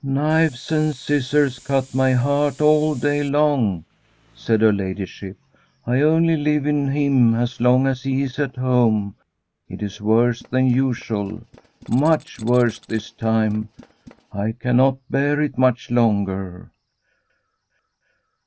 '' Knives and scissors cut my heart all day long,' said her ladyship. ' I only live in him as long as he is at home. It is worse than usual, from a SWEDISH HOMESTEAD much worse this time. I cannot bear it much longer.'